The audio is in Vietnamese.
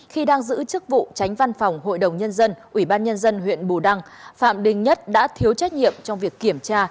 khi đang giữ chức vụ tránh văn phòng hội đồng nhân dân ủy ban nhân dân huyện bù đăng phạm đình nhất đã thiếu trách nhiệm trong việc kiểm tra